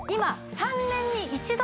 ３年に１度？